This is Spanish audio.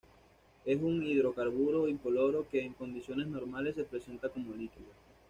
Es un hidrocarburo incoloro que en condiciones normales se presenta como líquido.